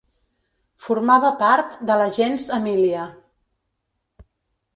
Formava part de la gens Emília.